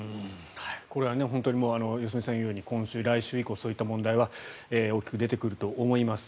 これは本当に良純さんが言うように今週、来週以降そういった問題は大きく出てくると思います。